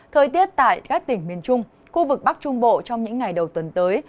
thời tiết tại các tỉnh miền trung khu vực bắc trung bộ trong những ngày đầu tuần tới